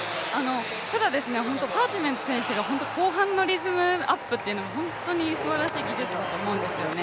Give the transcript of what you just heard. ただパーチメント選手が後半のリズムアップが本当にすばらしい技術だと思うんですよね。